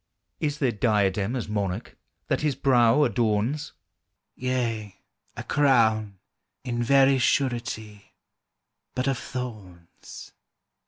Is there diadem, as Monarch, That His brow adorns? "Yea, a crown, in very surety, But of thorns."